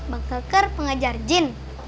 bang keker pengejar jin